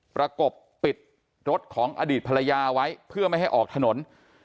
ประกบปิดรถของอดีตภรรยาไว้เพื่อไม่ให้ออกถนน